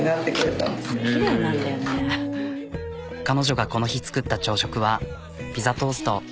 彼女がこの日作った朝食はピザトースト。